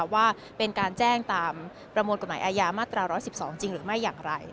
ว่าเป็นการแจ้งตามประมวลกฎหมายอาญามาตรา๑๑๒จริงหรือไม่อย่างไร